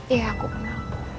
iya aku kenal